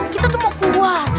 kita tuh mau keluar